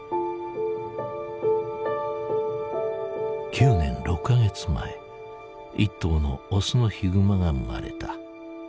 ９年６か月前一頭のオスのヒグマが生まれた。